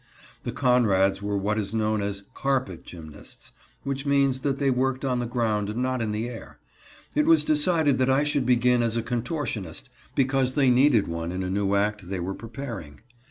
The Conrads were what is known as "carpet gymnasts," which means that they worked on the ground and not in the air. It was decided that I should begin as a contortionist because they needed one in a new act they were preparing.